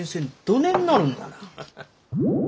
どねんなるんなら。